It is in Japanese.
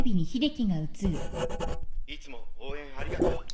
いつも応援ありがとう。